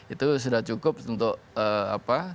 itu sudah cukup untuk apa